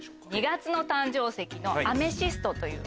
２月の誕生石のアメシストという。